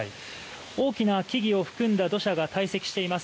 大きな木々を含んだ土砂がたい積しています。